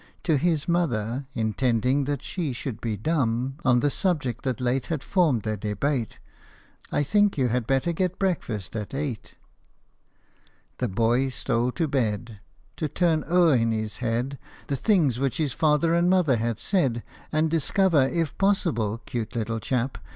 " To his mother, intending that she should be dumb On the subject that late Had formed their debate " I think you had better get breakfast at eight." 73 HOP O MY THUMB. The boy stole to bed, To turn o'er in his head The things which his father and mother had said, And discover, if possible, 'cute little chap